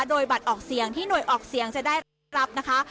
โดยบัตรออกเสียงที่หน่วยออกเสียงจะได้รับนะคะ